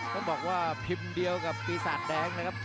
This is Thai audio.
ต้องบอกว่าพิมพ์เดียวกับปีศาจแดงนะครับ